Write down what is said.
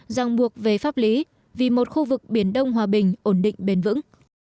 giang buộc về pháp lý vì một khu vực biển đông hòa bình ổn định bền vững